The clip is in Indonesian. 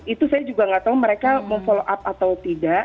itu saya juga nggak tahu mereka mau follow up atau tidak